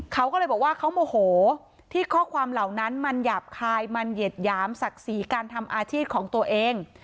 เขาก็เลยบอกว่าเขาโมโหที่ข้อความเหล่านั้นมันหยาบคายมันเหยียดหยามศักดิ์ศรีการทำอาชีพของตัวเอง